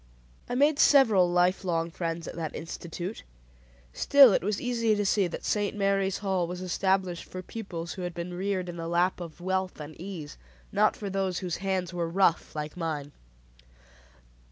I made several life long friends at that institute; still it was easy to see that "St. Mary's Hall" was established for pupils who had been reared in the lap of wealth and ease; not for those whose hands were rough like mine.